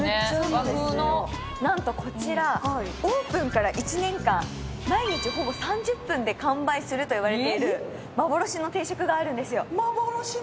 和風のなんとこちらオープンから１年間毎日ほぼ３０分で完売するといわれている幻の定食があるんですよ幻の？